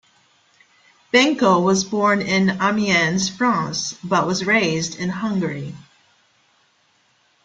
Benko was born in Amiens, France, but was raised in Hungary.